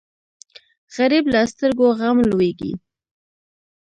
غریب له سترګو غم لوېږي